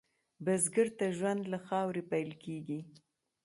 بزګر ته ژوند له خاورې پیل کېږي